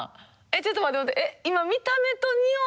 ちょっと待って待って。